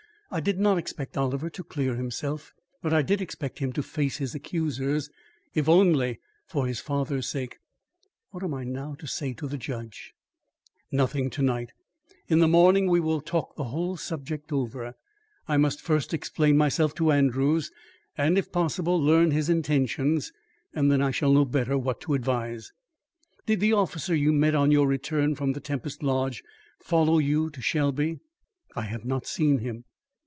"I did not expect Oliver to clear himself, but I did expect him to face his accusers if only for his father's sake. What am I to say now to the judge?" "Nothing to night. In the morning we will talk the whole subject over. I must first explain myself to Andrews, and, if possible, learn his intentions; then I shall know better what to advise." "Did the officer you met on your return from Tempest Lodge follow you to Shelby?" "I have not seen him."